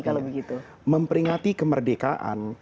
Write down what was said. kalau begitu memperingati kemerdekaan